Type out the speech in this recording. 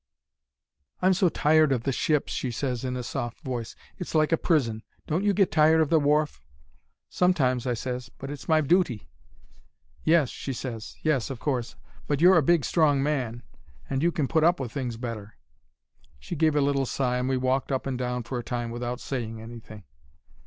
"'I'm so tired of the ship,' she ses, in a soft voice; 'it's like a prison. Don't you get, tired of the wharf?' "'Sometimes,' I ses; 'but it's my dooty.' "'Yes,' she ses. 'Yes, of course. But you're a big, strong man, and you can put up with things better.' "She gave a little sigh, and we walked up and down for a time without saying anything.